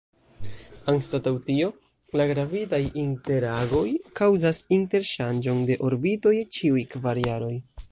Anstataŭ tio, la gravitaj interagoj kaŭzas interŝanĝon de orbito je ĉiuj kvar jaroj.